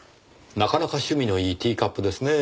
なかなか趣味のいいティーカップですねぇ。